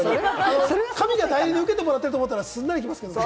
神が代理で受けてもらってると思ったら、すんなり行けますね。